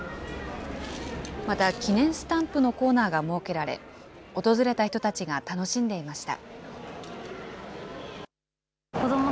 また、記念スタンプのコーナーが設けられ、訪れた人たちが楽しんでいました。